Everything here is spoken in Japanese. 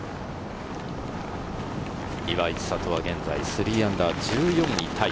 岩井千怜は現在−３、１４位タイ。